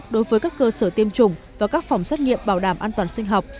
đối với các cơ sở tiêm chủng và các phòng xét nghiệm bảo đảm an toàn sinh học